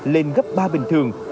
lên gấp ba bình thường